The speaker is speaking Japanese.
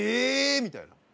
みたいな。